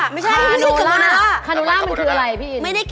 เป็นเมล็ดกองดอก